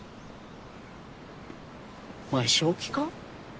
お前正気か？